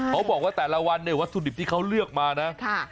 เขาบอกว่าแต่ละวันเนี่ยวัตถุดิบที่เขาเลือกมานะ